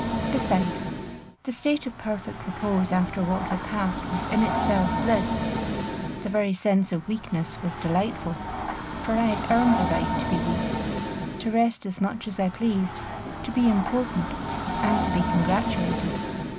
Besides, the state of perfect repose after what had passed was in itself bliss; the very sense of weakness was delightful, for I had earned the right to be weak, to rest as much as I pleased, to be important, and to be congratulated.